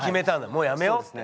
もう辞めようって。